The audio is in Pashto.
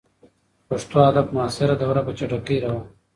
د پښتو ادب معاصره دوره په چټکۍ روانه ده.